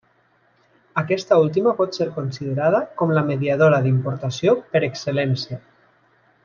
Aquesta última pot ser considerada com la mediadora d'importació per excel·lència.